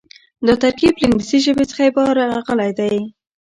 دا ترکيب له انګليسي ژبې څخه راغلی دی.